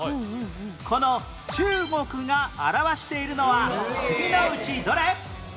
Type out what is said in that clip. この中国が表しているのは次のうちどれ？